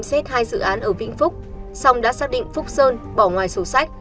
xét hai dự án ở vĩnh phúc xong đã xác định phúc sơn bỏ ngoài sổ sách